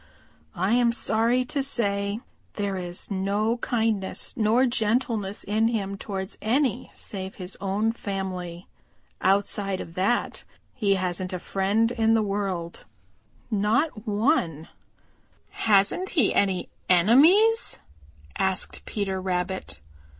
I am sorry to say that there is no kindness nor gentleness in him towards any save his own family. Outside of that he hasn't a friend in the world, not one." "Hasn't he any enemies?" asked Peter Rabbit.